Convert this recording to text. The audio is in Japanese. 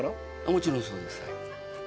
もちろんそうです。